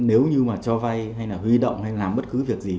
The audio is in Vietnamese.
nếu như mà cho vay hay là huy động hay làm bất cứ việc gì